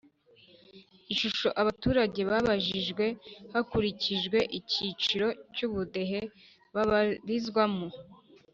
ishusho abaturage babajijwe hakurikijwe icyiciro cy ubudehe babarizwamo